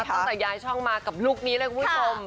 ตั้งแต่ย้ายช่องมากับลูกนี้เลยคุณผู้ชม